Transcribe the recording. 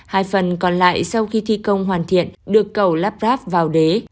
hai phần còn lại sau khi thi công hoàn thiện được cầu lắp ráp vào đế